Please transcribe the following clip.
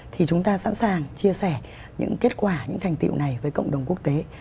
thì chúng ta sẵn sàng chia sẻ những kết quả những thành tiệu này với cộng đồng quốc tế